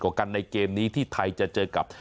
กันในเกมนี้ที่ไทยจะเจอกับ